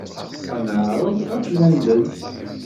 Ad neɛreḍ ad d-nalel.